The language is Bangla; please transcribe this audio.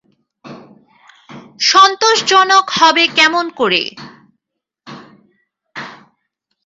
সন্তোষজনক হবে কেমন করে।